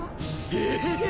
えっ！？